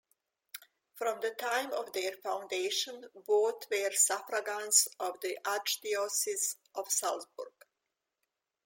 From the time of their foundation both were suffragans of the Archdiocese of Salzburg.